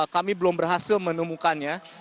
kami belum berhasil menemukannya